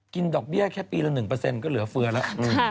ดอกเบี้ยแค่ปีละ๑ก็เหลือเฟือแล้ว